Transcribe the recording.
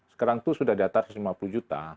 sekarang itu sudah di atas lima puluh juta